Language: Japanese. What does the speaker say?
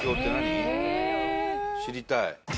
知りたい。